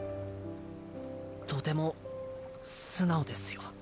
とても素直ですよ。